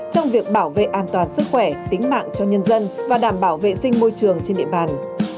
trong việc bảo vệ an toàn sức khỏe tính mạng cho nhân dân và đảm bảo vệ sinh môi trường trên địa bàn